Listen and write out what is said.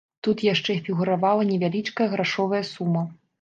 Тут яшчэ фігуравала невялічкая грашовая сума.